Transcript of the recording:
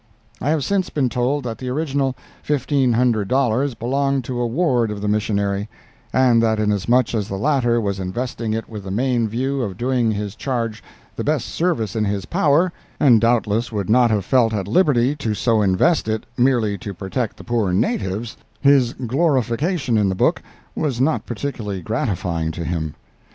I have since been told that the original $1,500 belonged to a ward of the missionary, and that inasmuch as the latter was investing it with the main view to doing his charge the best service in his power, and doubtless would not have felt at liberty to so invest it merely to protect the poor natives, his glorification in the book was not particularly gratifying to him.